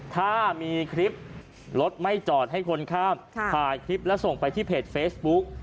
ถ้ามีคลิปรถไม่จอดให้คนข้ามถ่ายคลิปแล้วส่งไปที่เพจเฟซบุ๊ก